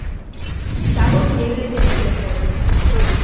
Стала ў дзевера зямлі даходзіць.